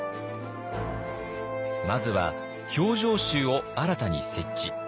まずは「評定衆」を新たに設置。